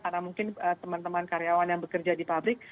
karena mungkin teman teman karyawan yang bekerja di pabrik